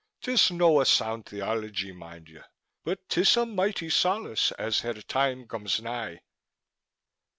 'Tis no a sound theology, mind you, but 'tis a mighty solace as her time comes nigh."